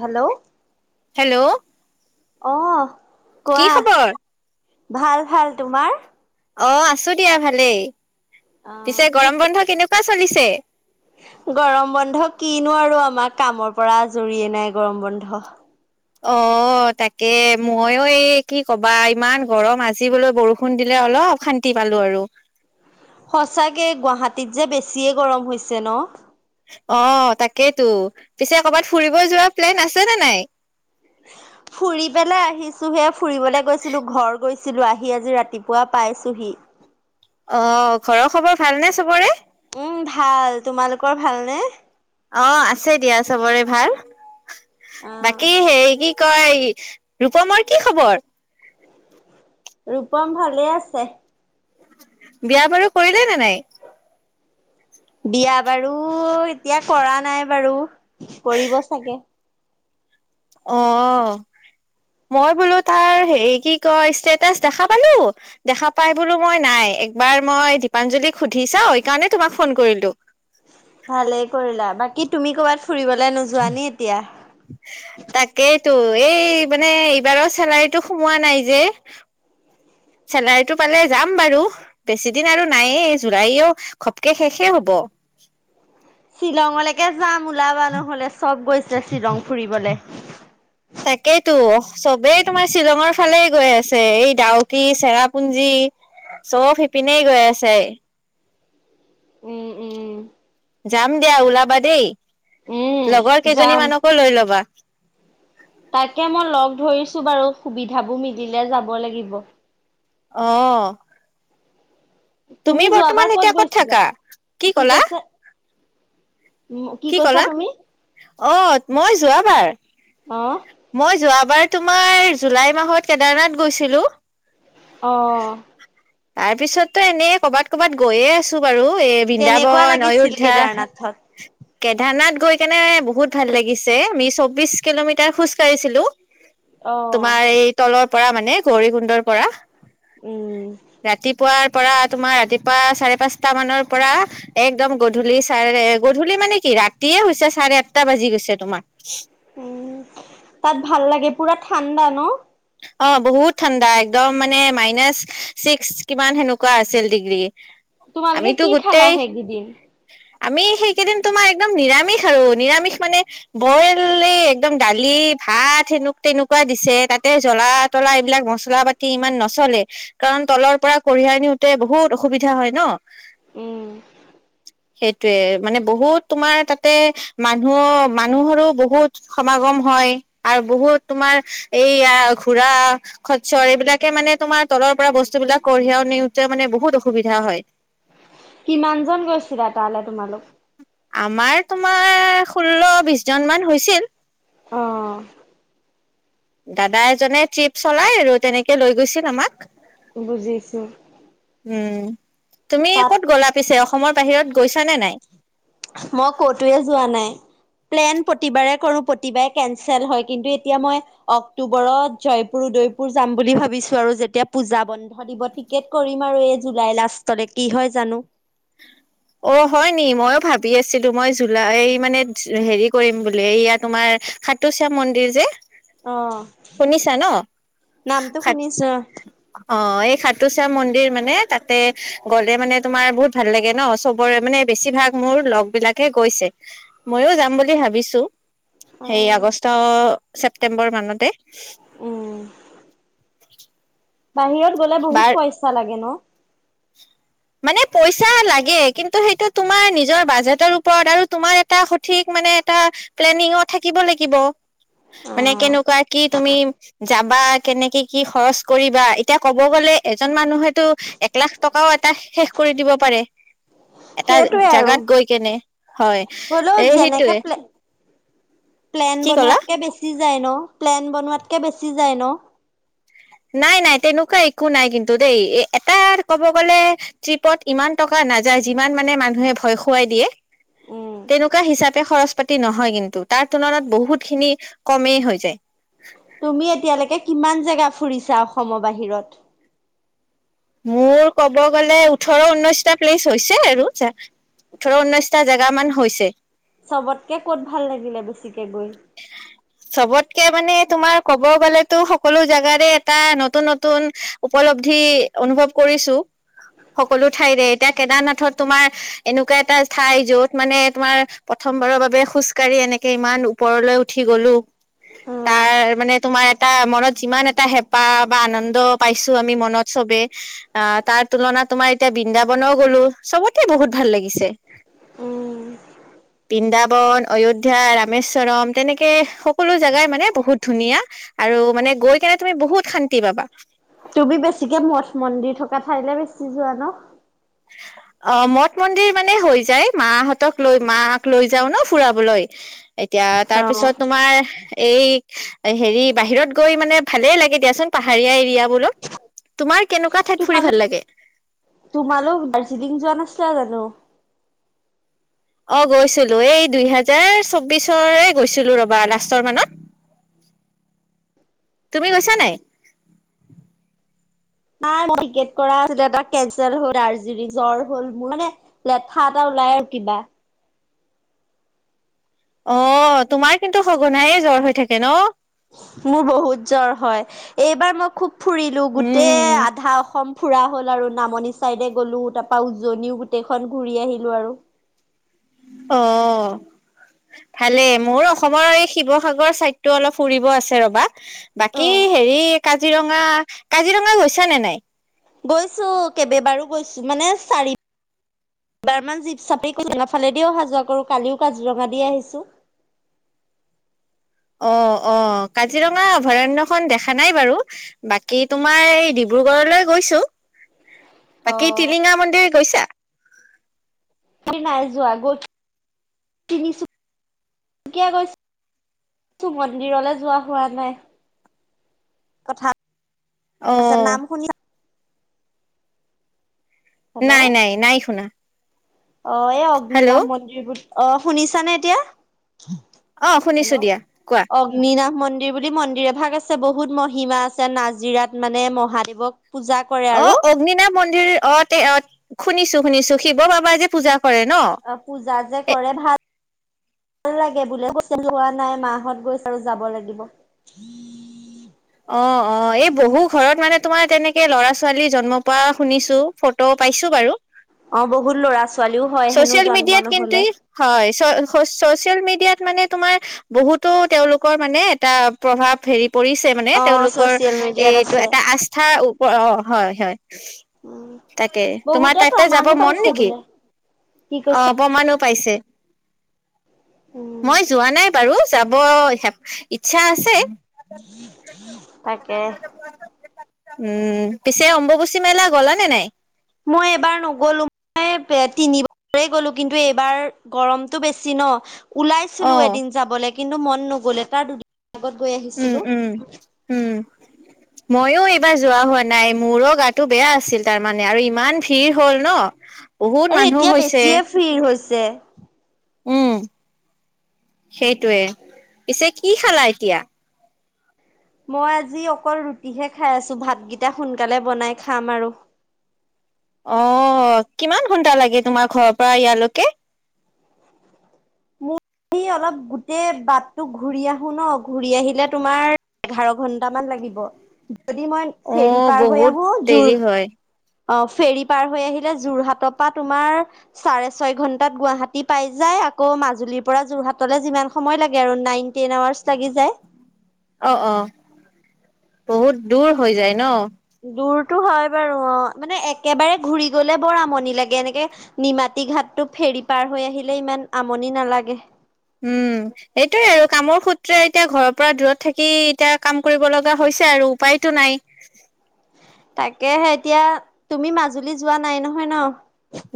Hello. Hello! অঁ কি কোৱা, খবৰ? ভাল-ভাল। তোমাৰ? অঁ আছোঁ দিয়া ভালেই। আহ পিছে কি গৰম বন্ধ কেনেকুৱা চলিছে? গৰম বন্ধ কিনো আৰু আমাৰ! কামৰ পৰা আজৰিয়ে নাই গৰম বন্ধ। অ তাকেই, মইয়ো এই কি কবা! ইমান গৰম আজি বোলো বৰষুণ দিলে অলপ! শান্তি পালোঁ আৰু। সচাঁকেই, গুৱাহাটীত যে বেছিয়ে গৰম হৈছে, ন? অ তাকেইতো, পিছে কৰ'বাত ফুৰিব যোৱা প্লেন আছেনে নাই? ফুৰি পেলাই আহিছো হে, ফুৰিবলে গৈছিলো ঘৰ গৈছিল ছিলোঁ আহি আজি ৰাতিপুৱা পাইছোঁহি। অ ঘৰৰ খবৰ ভালনে সবৰে? উম ভাল, তোমালোকৰ ভাল নে? অ আছে দিয়া সবৰে ভাল, বাকী হেৰি কি কয় ৰূপমৰ কি খবৰ? ৰূপম ভালে আছে। বিয়া-বাৰু কৰিলে নে নাই? বিয়া-বাৰু এতিয়া কৰা নাই বাৰু, কৰিব চাগে! অ। মই বোলো তাৰ হেৰি কি কয় ষ্টেটাচ দেখা পালোঁ দেখা পাই বোলো মই নাই একবাৰ মই দীপাঞ্জলী সুধি চাওঁ, এইকাৰণে তোমাক ফোন কৰিলো। ভালেই কৰিলা, বাকী তুমি ক'ৰবাত ফুৰিবলে নোযোৱা নে এতিয়া? [inaudible] তাকেইতো এই মানে এইবাৰৰ চেলাৰীতো সোমোৱা নাই যে। চেলাৰীটো পালে যাম বাৰু। বেছি দিন আৰু নাইয়েই জুলাইও খপকে শেষে হব। শ্বিলঙলেকে যাম ওলাবা নহ'লে চব গৈছে শ্বিলং ফুৰিবলে। তাকেইতো চবেই তোমাৰ শ্বিলঙৰ ফালেই গৈ আছে, এই ডাউকি চেৰাপুঞ্জী। চব সেইপিনেই গৈ আছে। উম উম। যাম দিয়া ওলাবা দেই, উম লগৰ কেইজনী যাম। মানকো লৈ ল'বা। তাকে মই লগ ধৰিছো বাৰু সুবিধাবোৰ মিলিলে যাব লাগিব। অ। তুমি বৰ্তমান এতিয়া ক'ত থাকা কি কলা উম কি কৈছা কলা তুমি? অ মই যোৱা বাৰ অ' মই যোৱাবাৰ তোমাৰ জুলাই মাহত কেদাৰনাথ গৈছিলো অঁ তাৰ পিছত তো এনেই কবাত কবাত গৈয়ে আছো বাৰু এই বৃন্দাবন অয়োধ্যা থাক কেদাৰনাথ গৈ কেনে বহুত ভাল লাগিছে আমি চৌবিশ কিলোমিটাৰ খোজ কাঢ়িছিলো অ'। তোমাৰ এই তলৰ পৰা মানে গৌৰী কুণ্ডৰ পৰা উম। ৰাতিপুৱাৰ পৰা তোমাৰ ৰাতিপুৱা চাৰে পাঁচটা মানৰ পৰা একদম গধূলি চাৰে গূ ধূলি মানে কি ৰাতিয়ে হৈছে চাৰে আঠটা বাজি গৈছে তোমাৰ উম তাত ভাল লাগে পুৰা ঠাণ্ডা ন অ বহুত ঠাণ্ডা একদম মানে মাইনাচ ছিক্স কিমান সেনেকুৱা আছিল ডিগ্ৰী তোমালোকে আমিতো কি খালা গোটেই সেইকেইদিন? আমি সেইকেইদিন তোমাৰ একদম নিৰামিষ আৰু নিৰামিষ মানে বইল এই একদম দালি ভাত সেনু তেনেকুৱা দিছে তাতে জলা তলা এইবিলাক মচলা পাতি ইমান নচলে কাৰণ তলৰ পৰা কঢ়িয়াই নিওতে বহুত অসুবিধা হয় ন উম। সেইটোয়ে মানে বহুত তোমাৰ তাতে মানুহৰ মানুহৰো বহুত সমাগম হয় আৰু বহুত তোমাৰ এইয়া ঘোৰাঁ খচ্চৰ এইবিলাকে মানে তোমাৰ তলৰ পৰা বস্তু বিলাক কঢ়িয়াও নিওঁতে মানে বহুত অসুবিধা হয় কিমানজন গৈছিলা তালে তোমালোক আমাৰ তোমাৰ ষোল্ল বিছ জনমান হৈছিল অঁ দাদা এজনে ট্ৰিপ চলাই আৰু তেনেকে লৈ গৈছিল আমাক বুজিছোঁ উম তুমি তাত ক'ত গ'লা পিছে অসমৰ বাহিৰত গৈছা নে নাই মই কতয়ে যোৱা নাই প্লেন প্ৰতিবাৰে কৰো প্ৰতিবাৰে কেনচেল হয় কিন্তু এতিয়া মই অক্টোবৰত জয়পুৰ উদয়পুৰ যাম বুলি ভাবিছো আৰু যেতিয়া পূজা বন্ধ দিব তি কেট কৰিম আৰু এই জুলাই লাষ্টলে কি হয় জানো [unintelligible] অ হয় নি মইও ভাবি আছিলো মই জুলা এই মানে হেৰি কৰিম বুলি এইয়া তোমাৰ সাত তুচা মন্দিৰ যে অ', শুনিছা ন নামটো সাত শুনিছো অ এই সাতুচ্যাম মন্দিৰ মানে তাতে গলে মানে তোমাৰ বহুত ভাল লাগে ন চবৰে মানে বেছিভাগ মোৰ লগ বিলাকে গৈছে ময়ও যাম বুলি ভাবিছো সেই অ', আগষ্ট ছেপ্তেম্বৰ মানতে উম বাহিৰত গ'লে বাৰ বহুত পইচা লাগে ন মানে পইচা লাগে কিন্তু সেইটো তোমাৰ নিজৰ বাজেটৰ ওপৰত আৰু তোমাৰ এটা সঠিক মানে এটা প্লেনিঙত থাকিব লাগিব মানে অ', কেনেকুৱা কি তুমি যাবা কেনেকে কি খৰচ কৰিবা এতিয়া ক'ব গ'লে এজন মানুহেতো এক লাখ টকাও এটা শেষ কৰি দিব পাৰে এটা সেইটোৱে আৰু জাগাত গৈ কেনে হয় হ'লেও এ যেনেকে সেইটোৱে প্লে প্লেন বনোৱাতকে বেছি যায় ন, প্লেন বনোৱাতকে বেছি যায় ন। নাই নাই তেনেকুৱা একো নাই কিন্তু দেই, এটা কব গ'লে ট্ৰিপত ইমান টকা নাযায় যিমান মানে মানুহে ভয় খুৱাই দিয়ে। উম, তেনেকুৱা হিচাপে খৰচ পাতি নহয় কিন্তু, তাৰ তুলনাত বহুত খিনি কমেই হৈ যায় তুমি এতিয়ালৈকে কিমান জেগা ফুৰিছা অসমৰ বাহিৰত? মোৰ ক'ব গ'লে ওঠৰ ঊনৈশটা প্লেচ হৈছে আৰু। ওঠৰ ঊনৈছটা জেগামান হৈছে। চবতকে ক'ত ভাল লাগিলে বেছিকে গৈ। [inaudible] চবতকে মানে তোমাৰ ক'ব গ'লেতো সকলো জোগাৰে এটা নতুন নতুন উপলব্ধি অনুভৱ কৰিছো, সকলো ঠাইৰে এতিয়া কেদাৰনাথত তোমাৰ এনেকুৱা এটা ঠাই, যত মানে তোমাৰ প্ৰথমবাৰৰ বাবে খোজ কাঢ়ি এনেকে ইমান ওপৰলৈ উঠি গলো, অ', তাৰ মানে তোমাৰ এটা মনত যিমান এটা হে পাহ বা আনন্দ পাইছো আমি মনত চবে। আঁহ তাৰ তুলনাত তোমাৰ এতিয়া বৃন্দাবনো গলো চবতে বহুত ভাল লাগিছে। উম, বৃন্দাবন, অয়োধ্যা, ৰামেশ্ব চৰম, তেনেকে সকলো জোগাই মানে বহুত ধুনীয়া। আৰু মানে গৈ কেনে তুমি বহুত শান্তি পাবা। তুমি বেছিকে মঠ মন্দিৰ থকা ঠাইলে বেছি যোৱা ন। [inaudible] অঁ মঠ মন্দিৰ মানে হৈ যায় মাহঁতক লৈ মাক লৈ যাও ন ফুৰাবলৈ। এতিয়া তাৰপিছত তোমাৰ এই হেৰি বাহিৰত গৈ মানে ভালেই লাগে দিয়াচোন। পাহাৰীয়া এৰিয়াবোৰত। তোমাৰ কেনেকুৱা ঠাইত ফুৰি তোমালোক ভাল লাগে? তোমালোক দাৰ্জিলিং যোৱা নাছিলা জানো? অঁ গৈছিলো, এই দুই হেজাৰ চৌবিশৰে গৈছিলো ৰবা লাষ্টৰ মানত। তুমি গৈছা নাই? নাই মোৰ টিকেট কৰা আছিল কেন্সেল হ'ল। দাৰ্জিলিং জ্বৰ হল মোৰ মানে লেঠা এটা ওলাই আৰু কিবা। অ তোমাৰ কিন্তু সঘনাইে জ্বৰ হৈ থাকে ন। মোৰ বহুত জ্বৰ হয়। এইবাৰ মই খুব ফুৰিলো গোটেই উম আধা অসম ফুৰা হ'ল আৰু নামনি চাইডে গ'লো, তাৰ পৰা উজনিও গোটেইখন ঘূৰি আহিলো আৰু। অ ভালে মোৰ অসমৰ এই শিৱসাগৰ চাইডতটো অলপ ফুৰিব আছে ৰ'বা। বাকী হেৰি কাজিৰঙা কাজিৰঙা গৈছা নে নাই? গৈছো কেইব বাৰো গৈছো, যেতিয়া মানে চাৰি এবাৰমান জীপ চাফি কৰি কাজিৰঙা ফালেদি অহা যোৱা কৰো, কালিও কাজিৰঙা দি আহিছো। অ অ কাজিৰঙা অভয়াৰণ্যখন দেখা নাই বাৰু। বাকী তোমাৰ এই ডিব্ৰুগড়লৈ গৈছো। অ'। বাকী টিলিঙা মন্দিৰ গৈছা? নাই যোৱা তিনিচুীয়া গৈছ। গৈছো মন্দিৰলৈ যোৱা হোৱা নাই। কথা আছে অ', নাম শুনি হেল্ল, নাই নাই নাই শুনা অ এই অগ্নিনাভ হেল্ল' ম অ শুনিছানে এতিয়া? অ', হেল্ল শুনিছো অ দিয়া কোৱা। অগ্নিন্নাভ মন্দিৰ বুলি মন্দিৰ এভাগ আছে, বহুত মহিমা আছে নাজিৰাত মানে মহাদেৱক পূজা কৰে অ আৰু অগ্নিনাভ মন্দিৰ অ তে অ শুনিছো শুনিছো শিৱ বাবা যে পূজা কৰে ন। অ পূজা যে এ কৰে ভাল ভাল লাগে বোলে [unintelligible] নাই মাহত গৈছ আৰু যাব লাগিব অ অ এই বহু ঘৰত মানে তোমাৰ তেনেকে ল'ৰা ছোৱালী জন্ম পোৱা শুনিছো ফটো পাইছো বাৰু। অ বহুত ল'ৰা ছোৱালীও হয় হেনো ছচিয়েল জন্ম মিডিয়াত কিন্তু নহ'লে হয় ছ ছ'চিয়েল মিডিয়াত মানে তোমাৰ বহুতো তেওঁলোকৰ মানে এটা প্ৰভাৱ হেৰি পৰিছে মানে অ তেওঁলোকৰ চচিয়েল মিডিয়াত এইটো আছে। এটা আস্থাৰ ওপ অ হয় হয় উম তাকে তোমাৰ বহুতে তাতে যাব প্ৰমাণো মন পাইছে নেকি বোলে কি অ কৈছা অপমানো পাইছে। উম মই যোৱা নাই বাৰু যাব হে ইচ্ছা আছে। তাকে উম পিছে অম্বুবুচী মেলা গ'লা নে নাই মই এবাৰ নগলো এ পে তিনিবাৰে গ'লো কিন্তু এইবাৰ গৰমটো বেছি ন অ ওলাইছিলো এদিন যাবলে কিন্তু মন নগ'লে তাৰ দুদিন আগত গৈ আহি উম উম উম মইয়ো এইবাৰ যোৱা হোৱা নাই মোৰো গাটো বেয়া আছিল তাৰমানে আৰু ইমান ভিৰ হ'ল ন বহুত মানুহ হৈছে থিৰ হৈছে উম সেইটোৱে পিছে কি খালা এতিয়া? মই আজি অকল ৰুটিহে খাই আছো ভাতকেইটা সোনকালে বনাই খাম আৰু। অ কিমান ঘণ্টা লাগে তোমাৰ ঘৰৰ পৰা ইয়ালৈকে? মোৰ সেই অলপ গোটেই বাটটো ঘূৰি আহো ন ঘূৰি আহিলে তোমাৰ এঘাৰ ঘন্টামান লাগিব যদি মই অ ফেৰী পাৰ হৈ বহুত আহো যোৰ দেৰি হয় অ ফেৰী পাৰ হৈ আহিলে যোৰহাটৰ পৰা তোমাৰ চাৰে ছয় ঘন্টাত গুৱাহাটী পাই যায় আকৌ মাজুলীৰ পৰা যোৰহাটলৈ যিমান সময় লাগে আৰু নাইন, টেন আৱাৰ্চ লাগি যায়। অ অ বহুত দূৰ হৈ যায় ন দুৰতো হয় বাৰু অ মানে একেবাৰে ঘূৰি গলে বৰ আমনি লাগে এনেকে নিমাতী ঘাটটো ফেৰী পাৰ হৈ আহিলে ইমান আমনি নালাগে। উম এইটোয়ে আৰু কামৰ সূত্ৰে এতিয়া ঘৰৰ পৰা দূৰত থাকি এতিয়া কাম কৰিব লগা হৈছে আৰু উপায়তো নাই। তাকেহে এতিয়া তুমি মাজুলী যোৱা নাই নহয় ন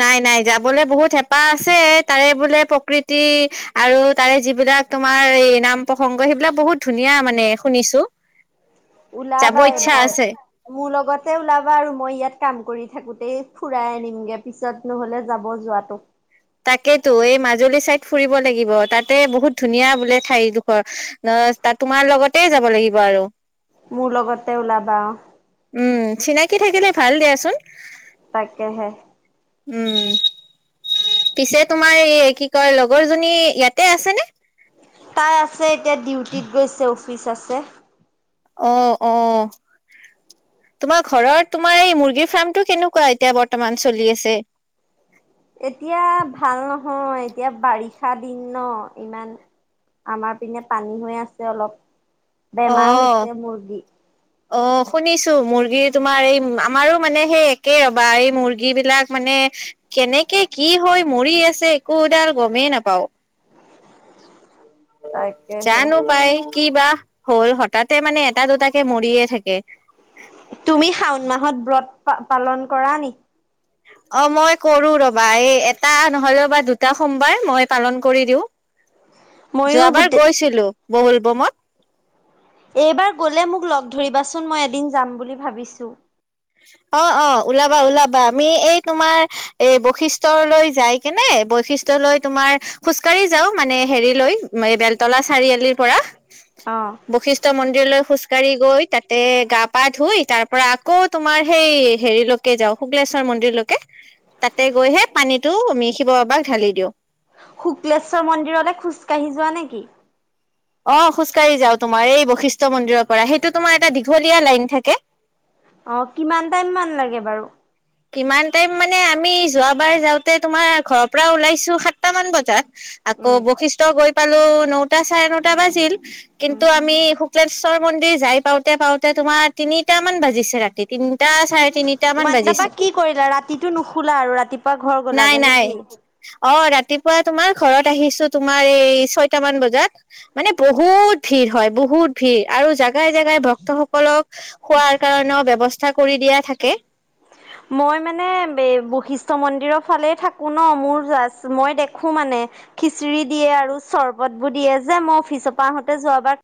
নাই নাই যাবলে বহুত হেঁপাহ আছে তাৰে বোলে প্ৰকৃতি আৰু তাৰে যিবিলাক তোমাৰ এই নাম প্ৰসংগ সেইবিলাক বহুত ধুনীয়া মানে শুনিছো। যাব ওলাবা ইচ্ছা এবাৰ আছে। মোৰ লগতে ওলাবা আৰু মই ইয়াত কাম কৰি থাকোতেই ফুৰাই আনিমগে পিছত নহ'লে যাব যোৱাতো। তাকেতো এই মাজুলী চাইদ ফুৰিব লাগিব তাতে বহুত ধুনীয়া বোলে ঠাইডোখৰ। নহ তাত তোমাৰ লগতে যাব লাগিব আৰু। মোৰ লগতে ওলাবা অ উম চিনাকি থাকিলে ভাল দিয়াচোন। তাকেহে উম পিছে তোমাৰ এই কি কয় লগৰ জনী ইয়াতে আছে নে তাই আছে এতিয়া ডিউটিত গৈছে অফিচ আছে। অহ অহ তোমাৰ ঘৰৰ তোমাৰ এই মুৰ্গীৰ ফাৰ্ম টো কেনেকুৱা এতিয়া বৰ্তমান চলি আছে এতিয়া ভাল নহয় এতিয়া বাৰিষা দিন ন ইমান আমাৰ পিনে পানী হৈ আছে অলপ বেমাৰ অহ হৈছে মুৰ্গী অ শুনিছো মুৰ্গী তোমাৰ এই আমাৰো মানে সেই একে ৰবা এই মুৰ্গী বিলাক মানে কেনেকে কি হৈ মৰি আছে একোডাল গমেই নাপাও উম তাকেহে জানো পাই কি বা হ'ল হঠাতে মানে এটা দুটাকে মৰিয়ে থাকে তুমি শাওণ মাহত ব্ৰত পালন কৰা নেকি অ মই কৰো ৰবা এই এটা নহলো বা দুটা সোমবাৰ মই পালন কৰি দিওঁ ময়ো যোৱাবাৰ গোটেই গৈছিলো বল বমত এইবাৰ গ'লে মোক লগ ধৰিবাচোন মই এদিন যাম বুলি ভাবিছো অ অ ওলাবা ওলাবা আমি এই তোমাৰ এই বৈশিষ্টয়লৈ যাই কেনে বৈশিষ্ট্য লৈ তোমাৰ খোজকাঢ়ি যাও মানে হেৰি লৈ বেলতলা চাৰিআলিৰ পৰা বৈশিষ্ট্য মন্দিৰলৈ খোজকাঢ়ি গৈ তাতে গা পা ধুই তাৰ পৰা আকৌ তোমাৰ সেই হেৰিলৈকে যাও শুক্লেশ্বৰ মন্দিৰলৈকে তাতে গৈ হে পানীটো শিৱ বাবাক ঢালি দিওঁ শুক্লেশ্বৰ মন্দিৰলে খোজকাঢ়ি যোৱা নেকি অ খোজ কাঢ়ি যাও তোমাৰ এই বৈশিষ্ট্য মন্দিৰৰ পৰা সেইটো তোমাৰ এটা দীঘলীয়া লাইন থাকে অ কিমান টাইম মান লাগে বাৰু কিমান টাইম মানে আমি যোৱাবাৰ যাওঁতে তোমাৰ ঘৰৰ পৰা ওলাইছোঁ সাতটামান বজাত আকৌ উম বৈশিষ্ট্য গৈ পালো নটা চাৰে নটা বাজিল উম কিন্তু আমি শুক্লেশ্বৰ মন্দিৰ যাই পাওঁতে পাওঁতে তোমাৰ তিনিটা মান বাজিছে তিনিটা চাৰে তিনিটা মান ইমান তাৰপা বাজিছে কি কৰিলা ৰাতিটো নুশুলা আৰু ৰাতি নাই নাই অ ৰাতিপুৱা তোমাৰ ঘৰত আহিছো তোমাৰ এই ছয়টা মান বজাত মানে বহুত ভিৰ হয় বহুত ভিৰ আৰু জাগাই জাগা জাগাই ভক্তসকলক খোৱাৰ কাৰণেও ব্যৱস্থা কৰি দিয়া থাকে মই মানে এই বৈশিষ্ট্য মন্দিৰৰ ফালেই থাকো ন মোৰ জাচ মই দেখোঁ মানে খিচিৰি দিয়ে আৰু চৰ্বতবোৰ দিয়ে যে মই অফিচৰ পৰা আহোঁতে যোৱাবাৰ